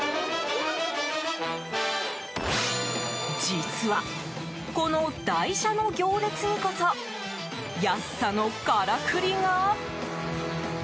実は、この台車の行列にこそ安さのからくりが。